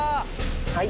はい。